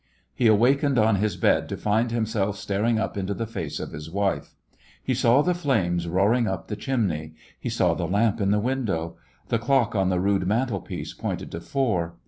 He awakened on his bed to find himself staring up into the face of his wife. He saw the flames roaring up the chimney. He saw the lamp in the window. The clock on the rude mantelpiece pointed to four.